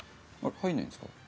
入んないんですか？